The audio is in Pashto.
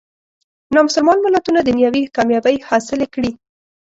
نامسلمان ملتونه دنیوي کامیابۍ حاصلې کړي.